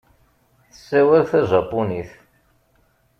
Tessawal tajapunit.